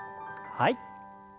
はい。